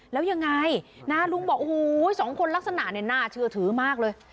แล้วยังไงนะลุงบอกโอ้โหสองคนลักษณะเนี่ยน่าเชื่อถือมากเลย